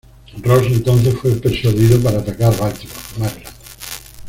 Ross entonces fue persuadido para atacar Baltimore, Maryland.